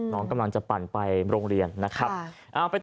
น้องกำลังจะปั่นไปโรงเรียนนะครับ